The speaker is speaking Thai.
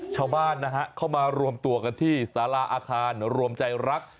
ชาวบ้านนะฮะเข้ามารวมตัวกันที่สาราอาคารรวมใจรัก